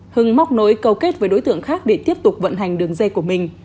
hưng móc nối câu kết với đối tượng khác để tiếp tục vận hành đường dây của mình